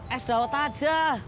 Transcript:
es dawet aja